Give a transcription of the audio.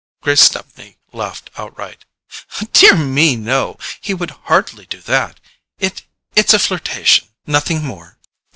Grace Stepney laughed outright. "Dear me, no! He would hardly do that. It—it's a flirtation—nothing more."